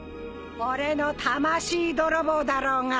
俺の魂泥棒だろうが！